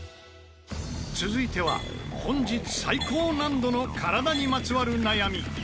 続いては本日最高難度の体にまつわる悩み。